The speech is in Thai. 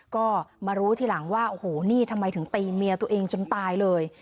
ก็มารู้ทีหลังว่าโอ้โหนี่ทำไมถึงตีเมียตัวเองจนตายเลย